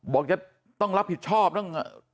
บอกจะต้องรับผิดชอบต้อง